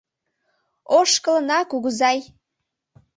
Ошкылына, кугызай!